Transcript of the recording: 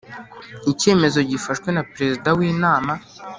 Icyemezo gifashwe na Perezida w Inama